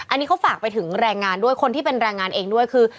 อันนี้เขาฝากไปถึงแรงงานด้วยคนที่เป็นแรงงานเองด้วยคือ